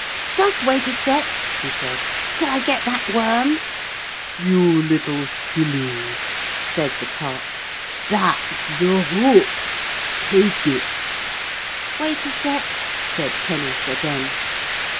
'Just wait a sec.,' he said, 'till I get that worm.' 'You little silly,' said the Carp, 'that's the hook. Take it.' 'Wait a sec.,' said Kenneth again.